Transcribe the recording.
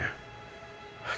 gimana papa papa setujukan